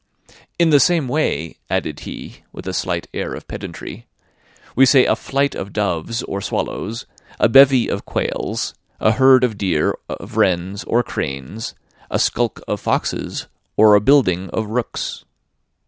"In the same way," added he, with a slight air of pedantry, "we say a flight of doves or swallows, a bevy of quails, a herd of deer, of wrens, or cranes, a skulk of foxes, or a building of rooks."